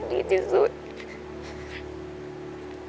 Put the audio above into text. ดีจริสุทธิ์